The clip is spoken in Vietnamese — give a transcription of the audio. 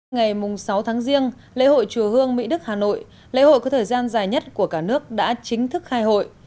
ngày sáu tháng riêng lễ hội chùa hương mỹ đức hà nội lễ hội có thời gian dài nhất của cả nước đã chính thức khai hội